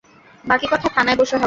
বাকি কথা থানায় বসে হবে।